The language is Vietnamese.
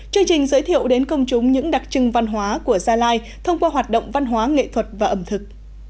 chương trình giới thiệu đến công chúng những đặc trưng văn hóa của gia lai thông qua hoạt động văn hóa nghệ thuật và ẩm thực